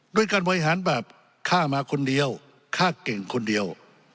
ด้วยการบริหารแบบฆ่ามาคนเดียวฆ่าเก่งคนเดียว